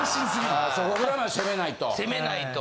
そこから攻めないと。